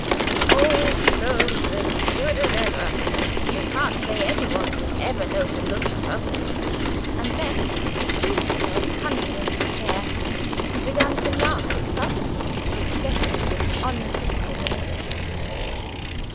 "The old stone's as good as ever. You can't say anyone would ever know, to look at us." And then he threw himself panting into a chair, and began to laugh excitedly at the success of his unprincipled manoeuvres.